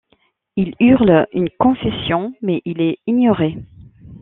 Il hurle une confession, mais il est ignoré.